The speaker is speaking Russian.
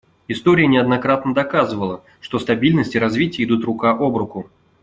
История неоднократно доказывала, что стабильность и развитие идут рука об руку.